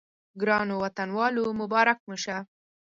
ګرانو وطنوالو مبارک مو شه.